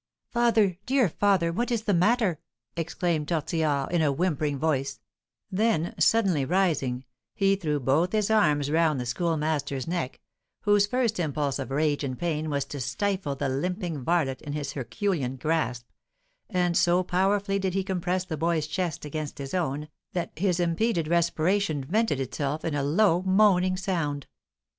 "Father! dear father! what is the matter?" exclaimed Tortillard, in a whimpering voice; then, suddenly rising, he threw both his arms round the Schoolmaster's neck, whose first impulse of rage and pain was to stifle the limping varlet in his Herculean grasp; and so powerfully did he compress the boy's chest against his own, that his impeded respiration vented itself in a low moaning sound.